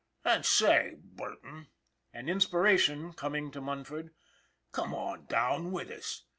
And say, Burton " an inspiration coming to Mun ford " come on down with us.